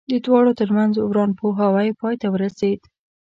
د دواړو ترمنځ ورانپوهاوی پای ته ورسېد.